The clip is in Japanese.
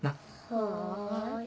はい。